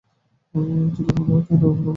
যদি আমার বাহুতে এতো দম থাকতো, স্যার।